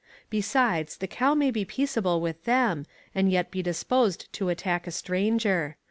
Besides, the cow may be peaceable with them, and yet be disposed to attack a stranger.